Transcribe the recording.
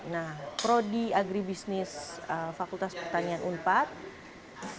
nah prodi agribisnis fakultas pertanian iv sangat memberikan ruang bagi para praktisi ini